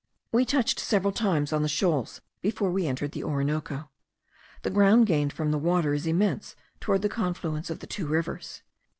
We touched several times on shoals before we entered the Orinoco. The ground gained from the water is immense towards the confluence of the two rivers.